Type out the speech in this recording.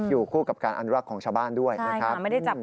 อยู่คู่กับการอนุรักษ์ของชาวบ้านด้วยนะครับ